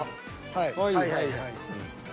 はいはいはいはい。